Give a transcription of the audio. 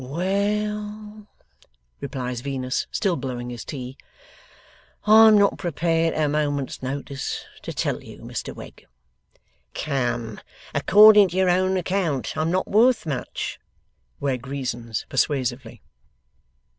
'Well,' replies Venus, still blowing his tea, 'I'm not prepared, at a moment's notice, to tell you, Mr Wegg.' 'Come! According to your own account I'm not worth much,' Wegg reasons persuasively.